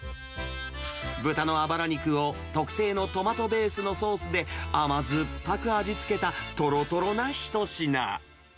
豚のアバラ肉を特製のトマトベースのソースで甘酸っぱく味付けた、とろとろな一品。